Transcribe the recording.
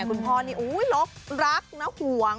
คุณพ่อนี่ลบรักนะห่วง